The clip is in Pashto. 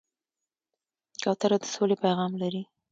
کوتره د سولې پیغام لري.